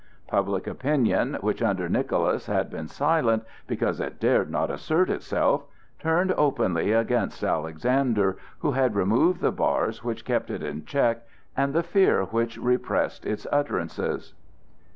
Public opinion, which under Nicholas had been silent, because it dared not assert itself, turned openly against Alexander, who had removed the bars which kept it in check and the fear which repressed its utterances.